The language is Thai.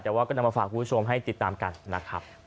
แต่ว่าก็นำมาฝากคุณผู้ชมให้ติดตามกันนะครับ